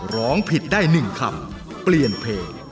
ร้องผิดได้๑คำเปลี่ยนเพลง